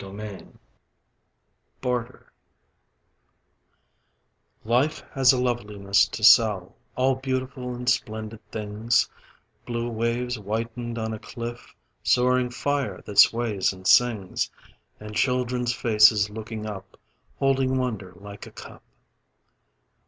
WOODBERRY BARTER Life has loveliness to sell, All beautiful and splendid things, Blue waves whitened on a cliff, Soaring fire that sways and sings, And children's faces looking up Holding wonder like a cup.